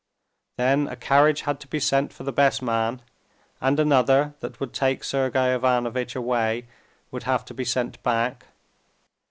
Then a carriage had to be sent for the best man, and another that would take Sergey Ivanovitch away would have to be sent back....